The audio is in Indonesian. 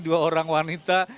dua orang wanita